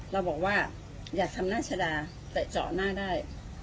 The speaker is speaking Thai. เราบอกว่าอยากทำหน้าชะดาแต่เจาะหน้าได้